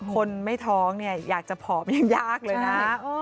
คนไม่ท้องอยากจะผอมอย่างยากเลยนะ